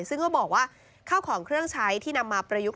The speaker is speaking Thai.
ซึ่งเขาบอกว่าข้าวของเครื่องใช้ที่นำมาประยุกต์